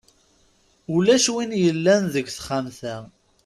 Ulac win yellan deg texxamt-a.